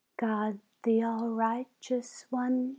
"God the All Righteous One!